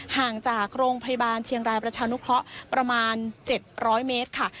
ห่างจากโรงพยาบาลเชียงรายประชานุเคราะห์ประมาณ๗๐๐เมตรค่ะ